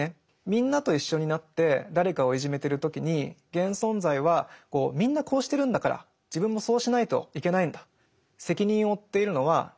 みんなと一緒になって誰かをいじめてる時に現存在は「みんなこうしてるんだから自分もそうしないといけないんだ」。